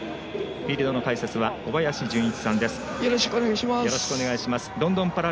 フィールドの解説は小林順一さんです。